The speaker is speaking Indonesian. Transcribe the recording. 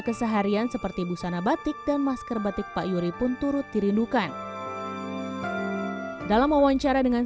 keseharian seperti busana batik dan masker batik pak yuri pun turut dirindukan dalam wawancara dengan